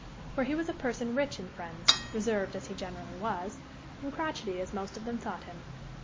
For he was a person rich in friends, reserved as he generally was, and crotchety as most of them thought him.